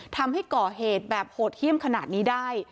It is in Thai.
ทำให้ก่อเหตุแบบโหดเยี่ยมขนาดนี้ได้